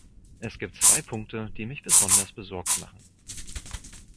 Es gibt zwei Punkte, die mich besonders besorgt machen.